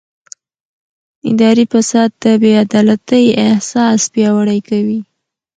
اداري فساد د بې عدالتۍ احساس پیاوړی کوي